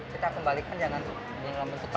kita kembalikan jangan dengan bentuk sampah